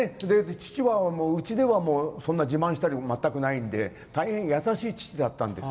父は、うちではそんなに自慢したりは全くなくて大変優しい父だったんです。